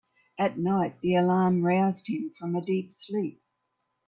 At night the alarm roused him from a deep sleep.